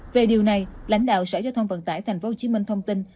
về điều này lãnh đạo sở giao thông vận tải tp hcm thông tin